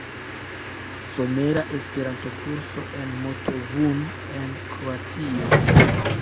Somera Esperanto-Kurso en Motovun en Kroatio.